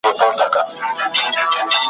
چي پېزوان به یې په خره پسي کشیږي ,